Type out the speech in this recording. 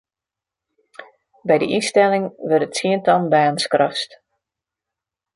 By de ynstelling wurde tsientallen banen skrast.